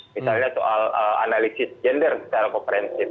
misalnya soal analisis gender secara komprehensif